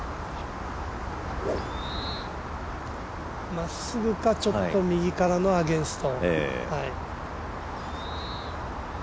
まっすぐかちょっと右からのアゲンスト。